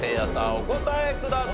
お答えください。